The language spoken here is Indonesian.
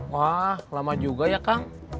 wah lama juga ya kang